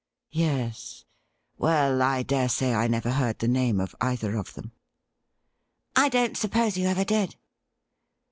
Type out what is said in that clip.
' Yes. Well, I dare say I never heard the name of either of them.' ' I don't suppose you ever did.'